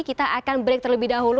kita akan break terlebih dahulu